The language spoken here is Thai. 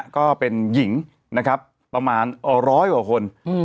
ก็เป็นหญิงนะครับประมาณร้อยกว่าคน